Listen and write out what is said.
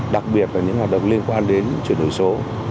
đặc biệt là những hoạt động liên quan đến chuyển đổi số